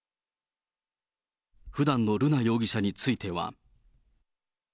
ふだんの瑠奈容疑者については。